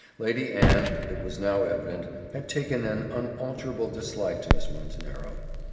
Lady Anne, it was now evident, had taken an unalterable dislike to Miss Montenero.